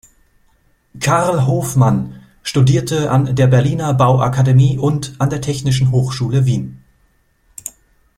Karl Hofmann studierte an der Berliner Bauakademie und an der Technischen Hochschule Wien.